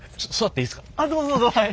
ああどうぞどうぞはい。